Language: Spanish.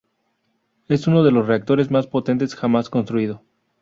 Es uno de los reactores más potentes jamás construido.